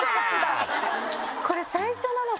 これ最初なのか！